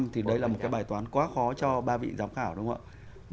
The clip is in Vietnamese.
thì đấy là một cái bài toán quá khó cho ba vị giám khảo đúng không ạ